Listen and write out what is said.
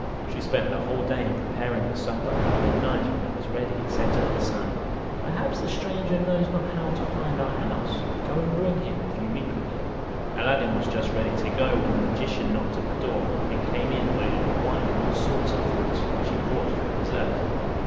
She spent the whole day in preparing the supper; and at night, when it was ready, said to her son, "Perhaps the stranger knows not how to find our house; go and bring him, if you meet with him." Aladdin was just ready to go, when the magician knocked at the door, and came in loaded with wine and all sorts of fruits, which he brought for a dessert.